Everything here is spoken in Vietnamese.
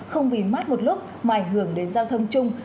không vì mất một lúc mà ảnh hưởng đến giao thông chung